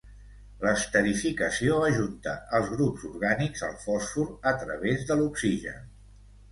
L'esterificació ajunta els grups orgànics al fòsfor a través de l'oxigen.